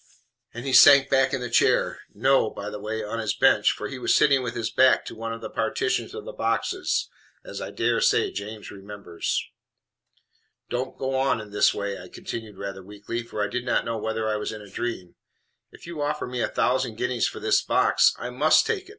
and he sank back in his chair no, by the way, on his bench, for he was sitting with his back to one of the partitions of the boxes, as I dare say James remembers. "DON'T go on in this way," I continued rather weakly, for I did not know whether I was in a dream. "If you offer me a thousand guineas for this box I MUST take it.